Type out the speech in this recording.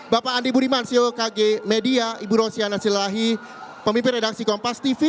bapak ibu dimansio kg media ibu rosyana silelahi pemimpin redaksi kompas tv